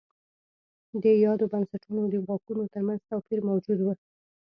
د یادو بنسټونو د واکونو ترمنځ توپیر موجود و.